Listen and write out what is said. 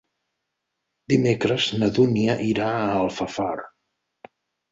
Dimecres na Dúnia irà a Alfafar.